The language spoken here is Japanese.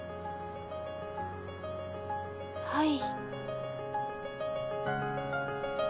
はい。